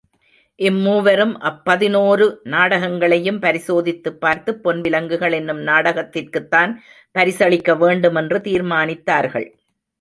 இம் மூவரும், அப் பதினோரு நாடகங்களையும் பரிசோதித்துப் பார்த்து, பொன் விலங்குகள் என்னும் நாடகத்திற்குத்தான் பரிசளிக்க வேண்டுமென்று தீர்மானித்தார்கள்.